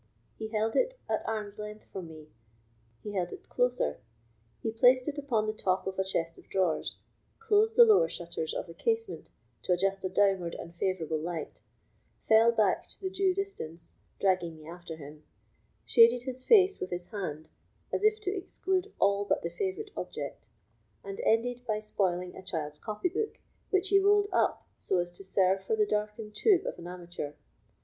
He held it at arm's length from me—he held it closer—he placed it upon the top of a chest of drawers—closed the lower shutters of the casement, to adjust a downward and favourable light—fell back to the due distance, dragging me after him—shaded his face with his hand, as if to exclude all but the favourite object—and ended by spoiling a child's copy book, which he rolled up so as to serve for the darkened tube of an amateur.